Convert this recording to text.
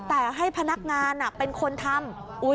แต่ให้พนักงานเป็นคนทำ